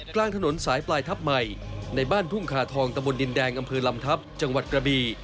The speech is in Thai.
กลางถนนสายปลายทับใหม่ในบ้านทุ่งคาทองตะบนดินแดงอำเภอลำทัพจังหวัดกระบี